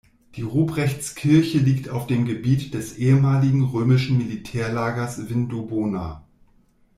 Die Ruprechtskirche liegt auf dem Gebiet des ehemaligen römischen Militärlagers Vindobona.